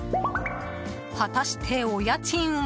果たして、お家賃は。